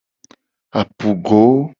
Apugo.